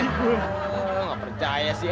nggak percaya sih